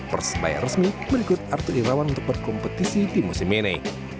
persebaya resmi berikut artu irawan untuk berkompetisi di musim ini